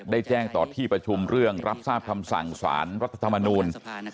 ได้แจ้งต่อที่ประชุมเรื่องรับทราบคำสั่งสารรัฐธรรมนูล